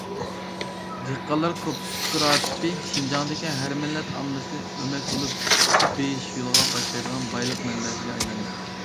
دېھقانلار كوپىراتىپى شىنجاڭدىكى ھەر مىللەت ئاممىسىنى ئۆمەك بولۇپ بېيىش يولىغا باشلايدىغان بايلىق مەنبەسىگە ئايلاندى.